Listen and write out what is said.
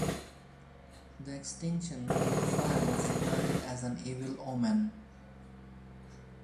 The extinction of the fire was regarded as an evil omen.